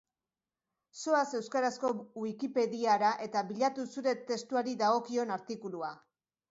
Zoaz euskarazko Wikipediara eta bilatu zure testuari dagokion artikulua.